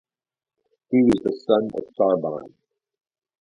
He was the son of Sarban.